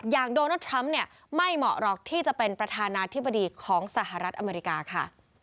โดนัลดทรัมป์เนี่ยไม่เหมาะหรอกที่จะเป็นประธานาธิบดีของสหรัฐอเมริกาค่ะ